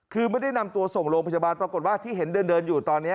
คือไม่ได้นำตัวส่งโรงพยาบาลปรากฏว่าที่เห็นเดินอยู่ตอนนี้